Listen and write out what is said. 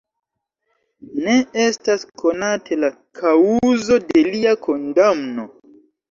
Ne estas konate la kaŭzo de lia kondamno.